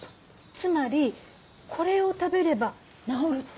つまりこれを食べれば治るって事？